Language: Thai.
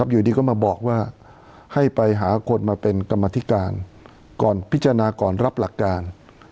อยู่ดีก็มาบอกว่าให้ไปหาคนมาเป็นกรรมธิการก่อนพิจารณาก่อนรับหลักการ